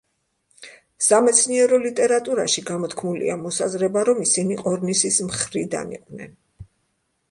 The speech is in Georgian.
სამეცნიერო ლიტერატურაში გამოთქმულია მოსაზრება რომ ისინი ყორნისის მხრიდან იყვნენ.